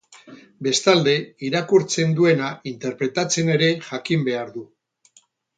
Bestalde, irakurtzen duena interpretatzen ere jakin behar du.